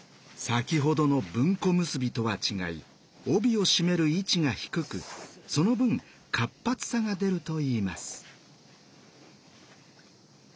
先ほどの文庫結びとは違い帯を締める位置が低くその分活発さが出るといいます。